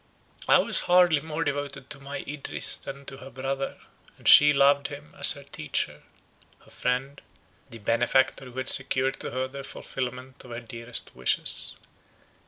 I was hardly more devoted to my Idris than to her brother, and she loved him as her teacher, her friend, the benefactor who had secured to her the fulfilment of her dearest wishes.